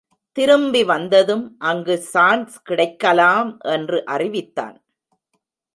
திரும்பி வந்ததும், அங்கு சான்ஸ் கிடைக்கலாம் என்று அறிவித்தான்.